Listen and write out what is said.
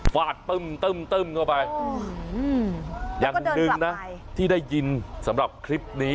ฟาดปึ้มตึ้มเข้าไปอย่างหนึ่งนะที่ได้ยินสำหรับคลิปนี้